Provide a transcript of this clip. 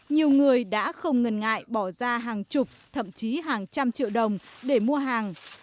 nhiều người đã không ngần ngại bỏ ra hàng chục thậm chí hàng trăm triệu đồng để mua hàng